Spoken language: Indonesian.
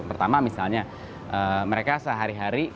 pertama misalnya mereka sehari hari